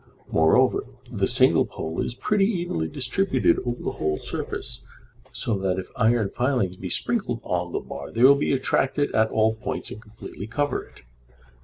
Moreover, the single pole is pretty evenly distributed over the whole surface, so that if iron filings be sprinkled on the bar they will be attracted at all points and completely cover it.